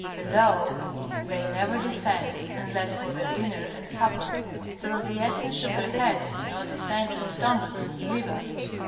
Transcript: Below they never descend, unless for their dinner and supper, so that the essence of their heads do not descend to the stomachs and liver.